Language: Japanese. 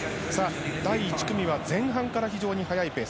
第１組は前半から非常に速いペース